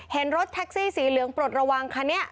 เห็นรถแท็กซี่สีเหลืองปลดระวังคันนี้